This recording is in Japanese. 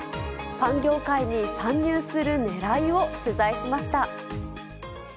パン業界に参入するねらいを取材しました。